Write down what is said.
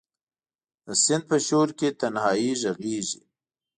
د سیند په شو رکې تنهایې ږغیږې